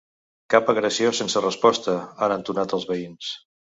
Cap agressió sense resposta, han entonat els veïns.